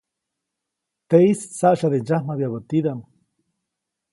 Teʼis saʼsyade ndsyamjabyabä tidaʼm.